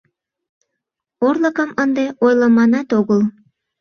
— Орлыкым ынде ойлыманат огыл.